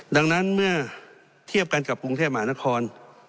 ดังนั้นเมื่อเทียบกันกับกรุงเทพมหานคร